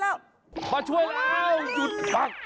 มาช่วยอ้าวจุดปัก